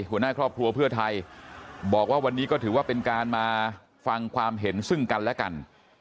หัวหน้าครอบครัวเพื่อไทยบอกว่าวันนี้ก็ถือว่าเป็นการมาฟังความเห็นซึ่งกันและกัน